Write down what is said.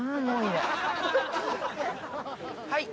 はい。